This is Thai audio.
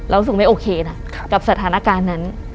รู้สึกไม่โอเคนะกับสถานการณ์นั้น